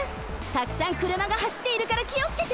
たくさんくるまがはしっているからきをつけて！